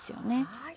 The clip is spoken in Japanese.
はい。